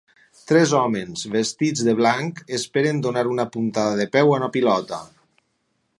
Tres homes vestits de blanc esperen donar una puntada de peu a una pilota.